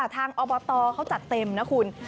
ทางอบตเขาจัดเต็มนะคุณ